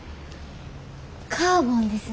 カーボンですね。